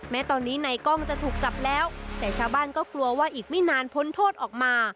แม้ตอนนี้นายกล้องจะถูกจับแล้วแต่ชาวบ้านก็กลัวว่าอีกไม่นานพ้นโทษออกมา